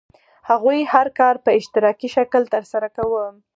هغوی هر کار په اشتراکي شکل ترسره کاوه.